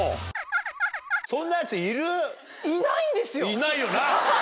いないよな？